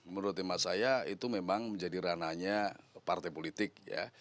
menurut emak saya itu memang menjadi ranahnya partai politik ya